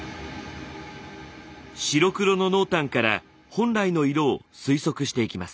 白黒の濃淡から本来の色を推測していきます。